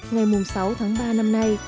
ngày sáu tháng ba năm nay